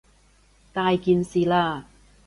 大件事喇！